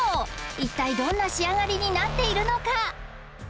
一体どんな仕上がりになっているのか？